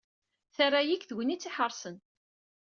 Terra-yi deg tegnit iḥerṣen.